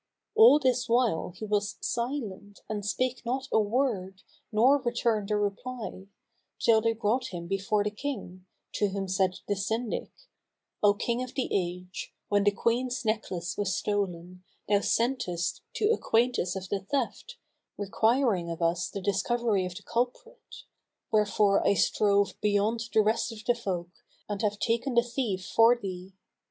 All this while he was silent and spake not a word nor returned a reply, till they brought him before the King, to whom said the Syndic, "O King of the age, when the Queen's necklace was stolen, thou sentest to acquaint us of the theft, requiring of us the discovery of the culprit; wherefore I strove beyond the rest of the folk and have taken the thief for thee.